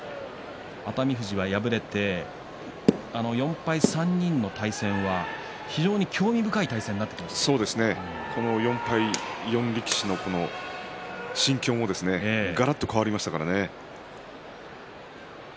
熱海富士は敗れて４敗３人の対戦は非常に興味深い対戦になってきましたね、４敗４力士の心境もがらっと変わりましたからね。